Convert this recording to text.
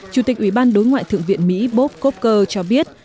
chủ tịch ủy ban đối ngoại thượng viện mỹ bob coker cho biết